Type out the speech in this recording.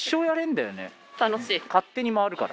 勝手に回るから。